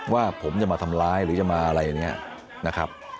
ว่าผมจะมาทำร้ายหรือจะมาอะไรอย่างนี้นะครับ